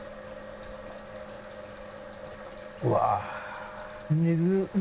うわ。